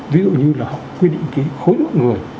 ví dụ như là họ quy định cái khối lượng người